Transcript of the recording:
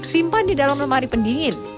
simpan di dalam lemari pendingin